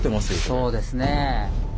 そうですね。